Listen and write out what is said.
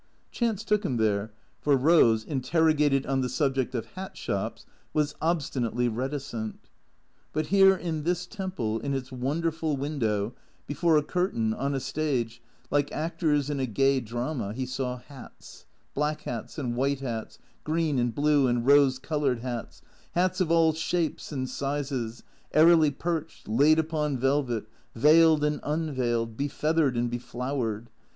Chance took him there, for Rose, interrogated on the subject of hat shops, was obstinately reticent. But here, in this temple, in its wonderful window, before a curtain, on a stage, like actors in a gay drama, he saw hats ; black hats and white hats; green and blue and rose coloured hats; hats of all shapes and sizes; airily perched; laid upon velvet; veiled and unveiled; befeathered and beflowered.